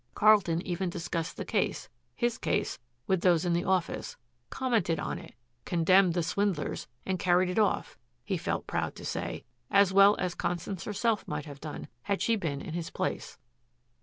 Carlton even discussed the case, his case, with those in the office, commented on it, condemned the swindlers, and carried it off, he felt proud to say, as well as Constance herself might have done had she been in his place.